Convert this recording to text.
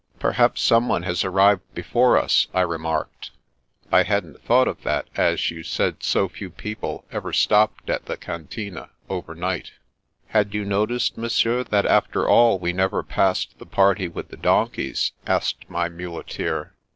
" Perhaps someone has arrived before us," I re marked. " I hadn't thought of that, as you said so few people ever stopped at the Cantine over night" " Had you noticed, Monsieur, that after all we never passed the party with the donkeys?" asked my muleteer.